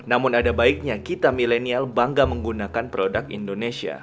namun ada baiknya kita milenial bangga menggunakan produk indonesia